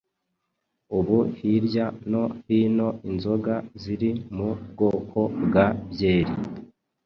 Ubu hirya no hino inzoga ziri mu bwoko bwa byeri